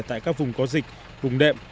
tại các vùng có dịch vùng đệm